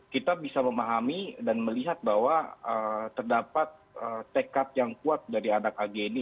kita bisa memahami dan melihat bahwa terdapat tekad yang kuat dari anak ag ini